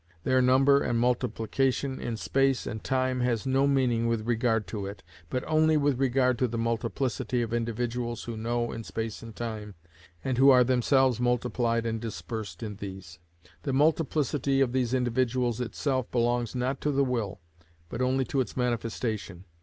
Their number and multiplication in space and time has no meaning with regard to it, but only with regard to the multiplicity of individuals who know in space and time, and who are themselves multiplied and dispersed in these. The multiplicity of these individuals itself belongs not to the will, but only to its manifestation.